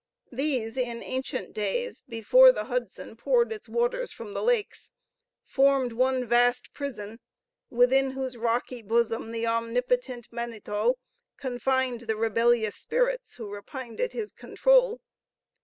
These in ancient days, before the Hudson poured its waters from the lakes, formed one vast prison, within whose rocky bosom the omnipotent Manetho confined the rebellious spirits who repined at his control.